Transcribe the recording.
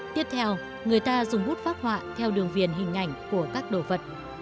tiếp theo người ta dùng bút phác họa theo đường viền hình ảnh của các đồ vật